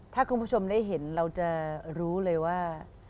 ถ้าคุณผู้ชมได้เห็นเราจะรู้เลยว่า